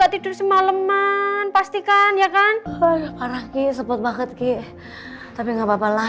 tante harus ceritain ke kamu